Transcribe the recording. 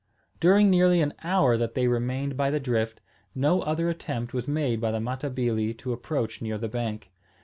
During nearly an hour that they remained by the drift, no other attempt was made by the Matabili to approach near the bank.